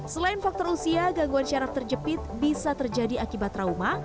selain faktor usia gangguan syaraf terjepit bisa terjadi akibat trauma